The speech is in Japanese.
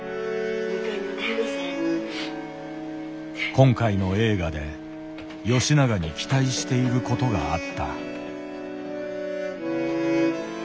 今回の映画で吉永に期待していることがあった。